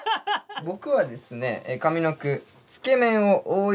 僕はですね上の句。